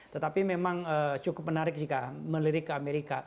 tetapi memang cukup menarik jika melirik ke amerika